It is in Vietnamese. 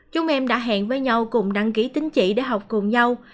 chúng em đã hẹn với nhau cùng đăng ký tính chỉ để học cùng nhau